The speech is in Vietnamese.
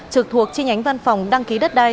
trực thuộc chi nhánh văn phòng đăng ký đất đai